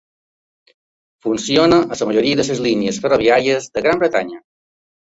Funciona a la majoria de les línies ferroviàries de Gran Bretanya.